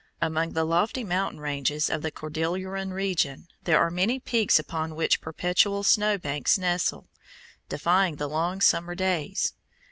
Among the lofty mountain ranges of the Cordilleran region there are many peaks upon which perpetual snow banks nestle, defying the long summer days.